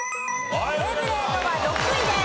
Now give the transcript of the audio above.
ベイブレードは６位です。